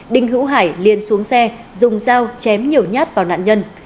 đinh hữu hải liên xuống xe dùng dao chém nhiều nhát vào nạn nhân